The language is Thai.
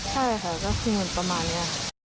ใช่ค่ะก็คือมันประมาณเนี้ย